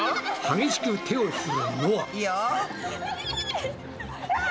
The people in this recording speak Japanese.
激しく手を振るのあ。